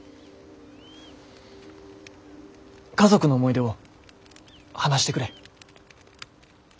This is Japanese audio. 家族の思い出を話してくれ。